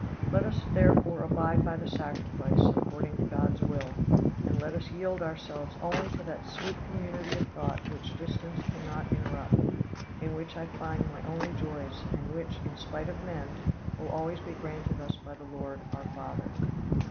Let us therefore abide by the sacrifice, according to God's will, and let us yield ourselves only to that sweet community of thought which distance cannot interrupt, in which I find my only joys, and which, in spite of men, will always be granted us by the Lord, our Father.